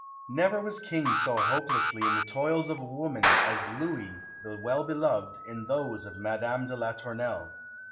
Never was King so hopelessly in the toils of a woman as Louis, the well beloved, in those of Madame de la Tournelle.